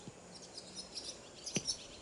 وایرس پروتیني پوښ او جینیټیک مواد لري.